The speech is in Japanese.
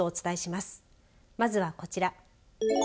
まずはこちら。